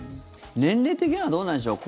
年齢的にはどうなんでしょう？